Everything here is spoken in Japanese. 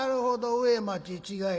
上町違い